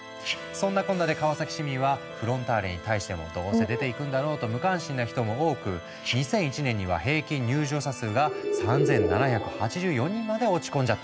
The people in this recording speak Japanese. そんなこんなで川崎市民はフロンターレに対しても「どうせ出ていくんだろう」と無関心な人も多く２００１年には平均入場者数が３７８４人まで落ち込んじゃったんだ。